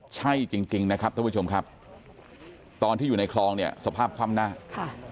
ใช่จริงจริงนะครับท่านผู้ชมครับตอนที่อยู่ในคลองเนี่ยสภาพคว่ำหน้าค่ะ